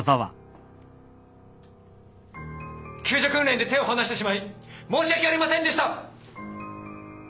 救助訓練で手を離してしまい申し訳ありませんでした。